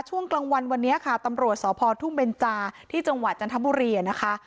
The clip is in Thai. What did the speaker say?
ช่วงกลางวันวันนี้ค่ะตำรวจสพทุ่งเบนจาที่จังหวัดจันทบุรีนะคะ